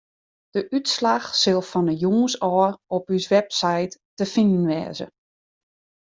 De útslach sil fan 'e jûns ôf op ús website te finen wêze.